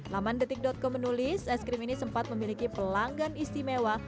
laman detik com menulis es krim ini sempat memiliki pelanggan istimewa